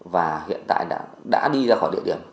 và hiện tại đã đi ra khỏi địa điểm